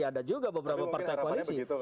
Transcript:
ada juga beberapa partai koalisi